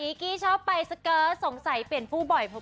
อิกิชอบไปสกิร์ทสงสัยเปลี่ยนภูบอย